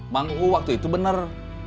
malu waktu itu bener